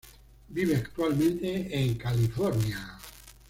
Vive actualmente en California.